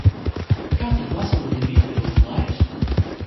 Kāds ir pasūtījuma izpildes laiks?